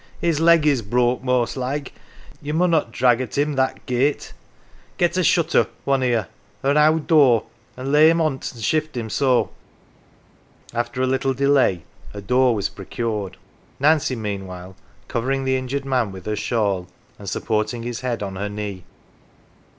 " His leg is broke most like ye munnot drag at him that gate. Get a shutter, one o' you, or an owd door, an lay him on't, and shift him so." After a little delay a door was procured ; Nancy, meanwhile, covering the injured man with her shawl, and supporting his head on her knee.